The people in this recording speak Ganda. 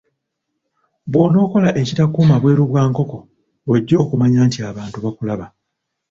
Bw'onookola ekitakuuma bweru bwa nkoko, lw'ojja okumanya nti abantu bakulaba.